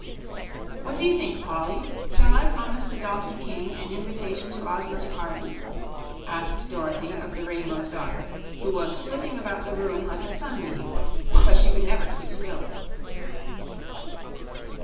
"What do you think, Polly? Shall I promise the donkey king an invitation to Ozma's party?" asked Dorothy of the Rainbow's Daughter, who was flitting about the room like a sunbeam because she could never keep still.